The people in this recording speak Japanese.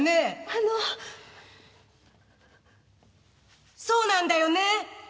あのそうなんだよね？